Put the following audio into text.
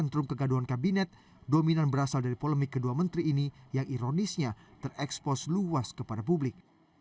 kontrum kegaduhan kabinet dominan berasal dari polemik kedua menteri ini yang ironisnya terekspos luas kepada publik